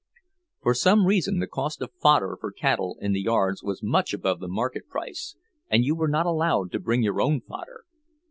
For some reason the cost of fodder for cattle in the yards was much above the market price—and you were not allowed to bring your own fodder!